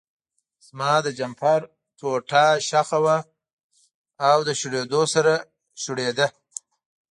زما د جمپر ټوټه شخه وه او له شورېدو سره شریده.